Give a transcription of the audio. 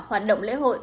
hoạt động lễ hội